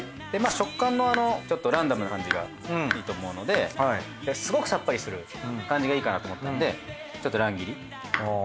食感のちょっとランダムな感じがいいと思うのですごくさっぱりする感じがいいかなと思ったんでちょっと乱切り。